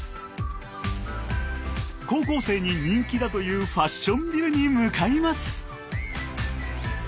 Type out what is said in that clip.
高校生に人気だというファッションビルに向かいます。